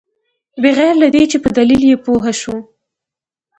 بغیر له دې چې په دلیل یې پوه شوو.